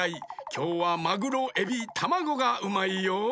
きょうはマグロエビタマゴがうまいよ。